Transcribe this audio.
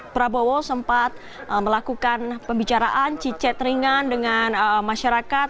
prabowo sempat melakukan pembicaraan cicet ringan dengan masyarakat